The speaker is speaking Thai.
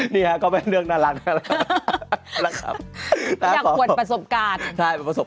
นี่นะก็เป็นเรื่องน่ารักนะครับ